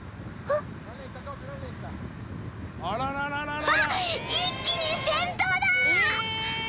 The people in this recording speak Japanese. ［あっ一気に先頭だ！］